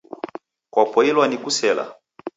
Kwapoilwa ni kusela?.